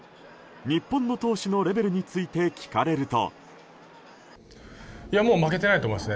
日本の投手のレベルについて聞かれると。